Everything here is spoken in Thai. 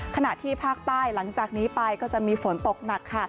ขณะที่ภาคใต้หลังจากนี้ไปก็จะมีฝนตกหนักค่ะ